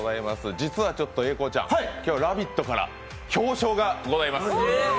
実は英孝ちゃん、実は「ラヴィット！」から表彰がございます。